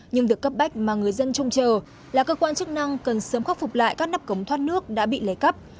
nhưng việc cấp bách mà người dân trông chờ là cơ quan chức năng cần sớm khắc phục lại các nắp cống thoát nước đã bị lấy cắp